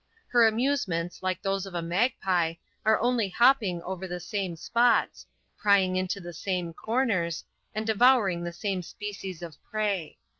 Her amusements, like those of a magpie, are only hopping over the same spots, prying into the same corners, and devouring the same species of prey.